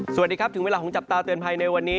สวัสดีครับถึงเวลาของจับตาเตือนภัยในวันนี้